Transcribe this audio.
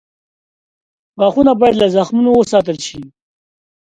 غاښونه باید له زخمونو وساتل شي.